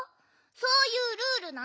そういうルールなの。